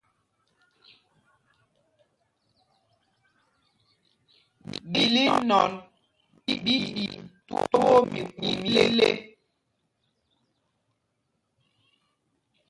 Ɓíl inɔn ɓí ɗi twóó miku mɛ ile.